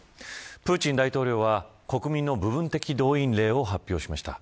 プーチン大統領は国民の部分的動員令を発表しました。